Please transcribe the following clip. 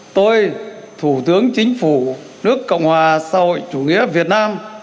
tôi thủ tướng chính phủ nước cộng hòa rồi chủ nghĩa việt nam